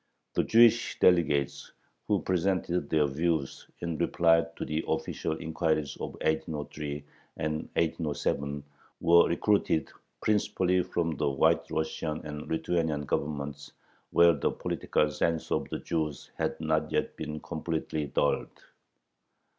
The Jewish delegates who presented their views in reply to the official inquiries of 1803 and 1807 were recruited principally from the White Russian and Lithuanian Governments, where the political sense of the Jews had not yet been completely dulled.